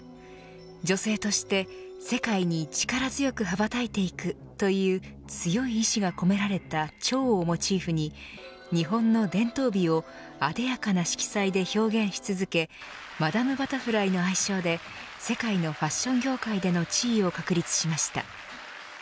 女性として世界に力強く羽ばたいていくという強い意志が込められた蝶をモチーフに日本の伝統美をあでやかな色彩で表現し続けマダム・バタフライの愛称で世界のファッション業界での地位を確立しました。